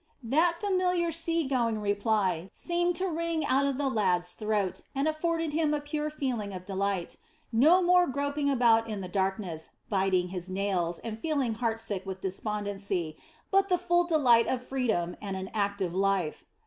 That familiar sea going reply seemed to ring out of the lad's throat, and afforded him a pure feeling of delight. No more groping about in the darkness, biting his nails, and feeling heart sick with despondency, but the full delight of freedom and an active life.